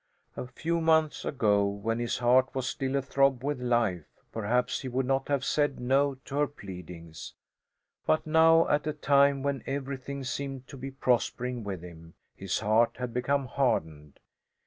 A few months ago, when his heart was still athrob with life, perhaps he would not have said no to her pleadings; but now at a time when everything seemed to be prospering with him, his heart had become hardened.